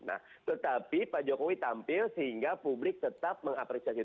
nah tetapi pak jokowi tampil sehingga publik tetap mengapresiasi